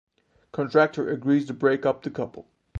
Contractor agrees to break up the couple.